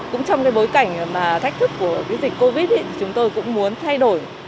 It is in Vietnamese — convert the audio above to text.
cũng trong cái bối cảnh mà thách thức của cái dịch covid thì chúng tôi cũng muốn thay đổi